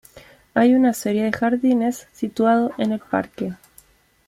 Hay una serie de jardines situado en el parque.